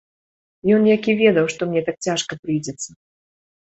Ён як і ведаў, што мне так цяжка прыйдзецца.